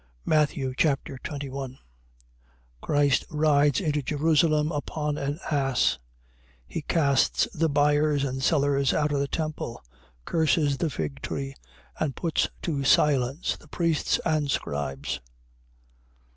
Matthew Chapter 21 Christ rides into Jerusalem upon an ass. He casts the buyers and sellers out of the temple, curses the fig tree and puts to silence the priests and scribes.